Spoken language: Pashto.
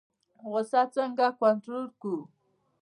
غوسه څنګه کنټرول کړو؟